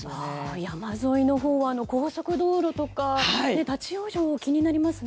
山沿いのほうは高速道路とか立ち往生も気になりますよね。